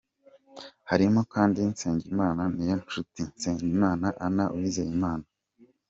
Harimo kandi Nsengimana, Niyonshuti, Nsengimana na Uwizeyimana.